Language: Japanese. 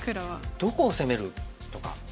どこを攻めるとか。